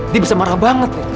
dia bisa marah banget nih